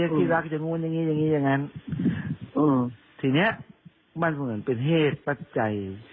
อย่างงี้อย่างงี้อย่างงั้นอืมทีเนี้ยมันเหมือนเป็นเหตุปัจจัย